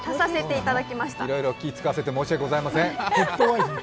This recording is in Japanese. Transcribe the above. いろいろ気を使わせて申し訳ございません。